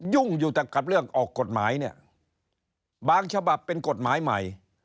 ยุ่งอยู่แต่กับเรื่องออกกฎหมายเนี่ยบางฉบับเป็นกฎหมายใหม่